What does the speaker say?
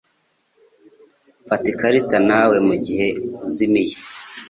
Fata ikarita nawe mugihe uzimiye.